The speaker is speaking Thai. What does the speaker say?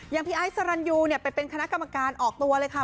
อย่างพี่ไอ้สรรยูไปเป็นคณะกรรมการออกตัวเลยค่ะ